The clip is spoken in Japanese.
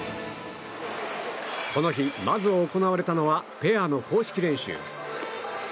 この日、まず行われたのはペアの公式練習。